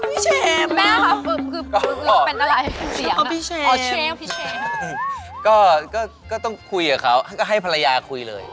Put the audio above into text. พี่แชมพี่แชมโทรมาจริง